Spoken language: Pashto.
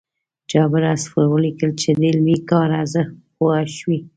جابر عصفور ولیکل چې د علمي کار ارزښت پوه شوي.